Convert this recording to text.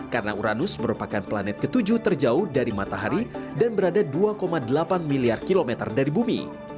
karena uranus merupakan planet ketujuh terjauh dari matahari dan berada dua delapan miliar kilometer dari bumi